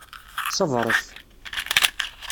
Ṣebṛet!